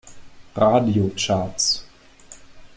Radio Charts.